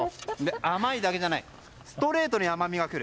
甘いだけじゃないストレートに甘味がくる。